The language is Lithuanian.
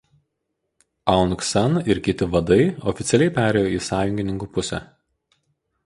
Aung San ir kiti vadai oficialiai perėjo į Sąjungininkų pusę.